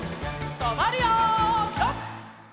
とまるよピタ！